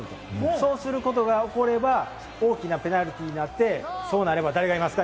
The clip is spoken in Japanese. そうすることが起これば、大きなペナルティーになって、そうなれば誰がいますか？